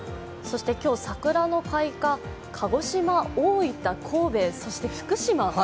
今日、桜の開花、鹿児島、大分、神戸、そして福島。